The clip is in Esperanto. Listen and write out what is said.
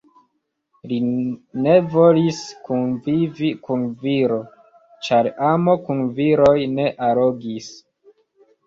Li ne volis kunvivi kun viro, ĉar amo kun viroj ne allogis.